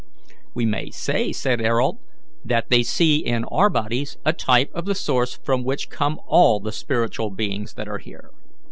"We may say," said Ayrault, "that they see in our bodies a type of the source from which come all the spiritual beings that are here."